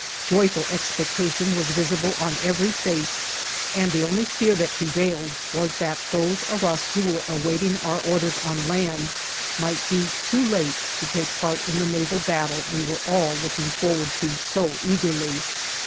Joyful expectation was visible on every face, and the only fear that prevailed was that those of us who were awaiting our orders on land might be too late to take part in the naval battle we were all looking forward to so eagerly.